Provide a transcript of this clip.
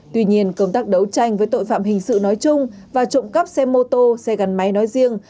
tuy nhiên công tác đấu tranh với tội phạm hình sự nói chung và trộm cắp xe mô tô xe gắn máy nói riêng